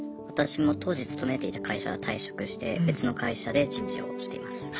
私も当時勤めていた会社は退職して別の会社で人事をしています。